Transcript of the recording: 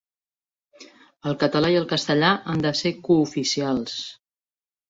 El català i el castellà han de ser cooficials.